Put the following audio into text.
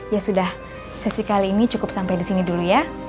ya sudah sesi kali ini cukup sampai di sini dulu ya